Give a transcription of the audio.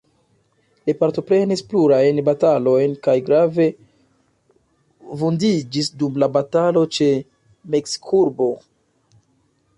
Li partoprenis plurajn batalojn, kaj grave vundiĝis dum la batalo ĉe Meksikurbo.